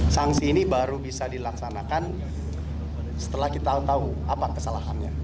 sanksi ini baru bisa dilaksanakan setelah kita tahu apa kesalahannya